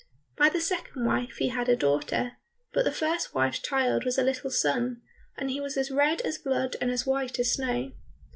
By the second wife he had a daughter, but the first wife's child was a little son, and he was as red as blood and as white as snow.